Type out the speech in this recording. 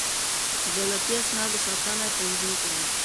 د دولتي اسنادو ساتنه يې تنظيم کړه.